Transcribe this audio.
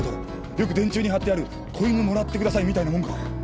よく電柱にはってある「子犬もらってください」みたいなもんか。